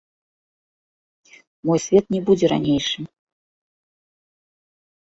Мой свет не будзе ранейшым.